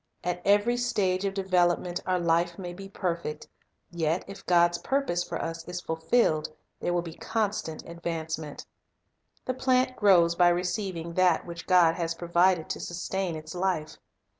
At every stage of development our life may be perfect ; yet if God's purpose for us is fulfilled, there will be constant advance ment. The plant grows by receiving that which God has provided to sustain its life.